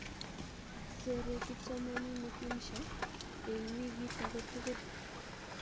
sere kipsomaninik insha en wikit aketukul